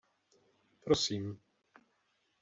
Prosím!